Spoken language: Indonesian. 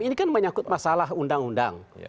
itu menyangkut masalah undang undang